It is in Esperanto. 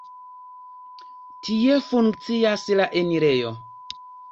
Tie funkcias la enirejo.